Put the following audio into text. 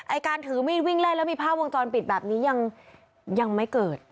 ไอ้การถือมีหนุ่มวิงเล่นและมีผ้าวงจรปิดแบบนี้ยังไม่เกิด